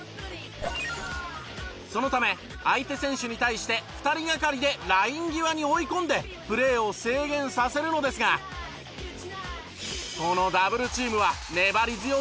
そのため相手選手に対して２人がかりでライン際に追い込んでプレーを制限させるのですがこのダブルチームは粘り強さが必要だそう。